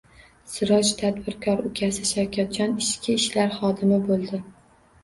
Siroj tadbirkor, ukasi Shavkatjon ichki ishlar xodimi bo`ldi